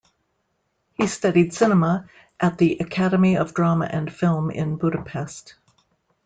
He studied cinema at the Academy of Drama and Film in Budapest.